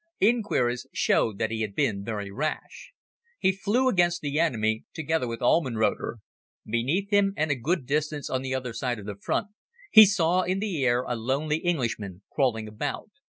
Inquiries showed that he had been very rash. He flew against the enemy, together with Allmenröder. Beneath him and a good distance on the other side of the front, he saw in the air a lonely Englishman crawling about.